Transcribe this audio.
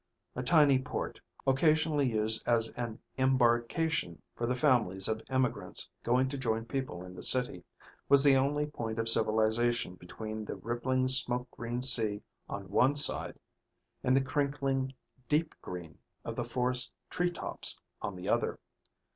A tiny port, occasionally used as an embarkation for the families of emigrants going to join people in the city, was the only point of civilization between the rippling smoke green sea on one side and the crinkling deep green of the forest tree tops on the other.